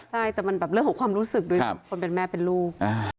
ใช่แต่มันแบบเรื่องของความรู้สึกด้วยคนเป็นแม่เป็นลูก